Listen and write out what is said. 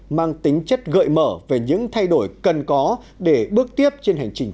mang tính chất gợi mở về những thay đổi cần có để bước tiếp trên hành trình